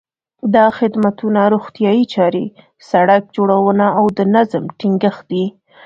دا خدمتونه روغتیايي چارې، سړک جوړونه او د نظم ټینګښت دي.